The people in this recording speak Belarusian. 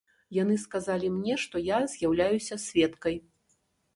Яны сказалі мне, што я з'яўляюся сведкай.